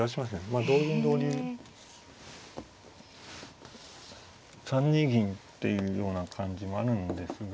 まあ同銀同竜３二銀っていうような感じもあるんですが。